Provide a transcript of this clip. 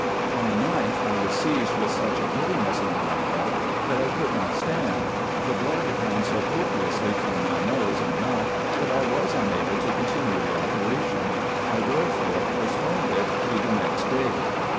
On the 9th, I was seized with such a giddiness in my head, that I could not stand. The blood ran so copiously from my nose and mouth, that I was unable to continue the operation : I therefore postponed it to the next day.